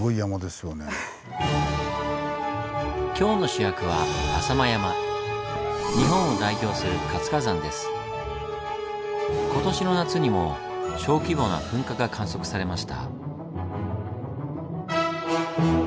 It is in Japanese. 今日の主役は今年の夏にも小規模な噴火が観測されました。